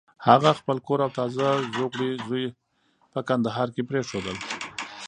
هغه خپل کور او تازه زوکړی زوی په کندهار کې پرېښودل.